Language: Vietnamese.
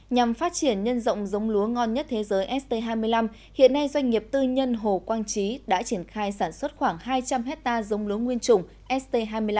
nhằm phát triển nhân rộng giống lúa ngon nhất thế giới st hai mươi năm hiện nay doanh nghiệp tư nhân hồ quang trí đã triển khai sản xuất khoảng hai trăm linh hectare giống lúa nguyên trùng st hai mươi năm